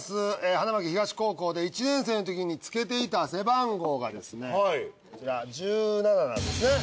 花巻東高校で１年生のときにつけていた背番号がですねこちら１７なんですね。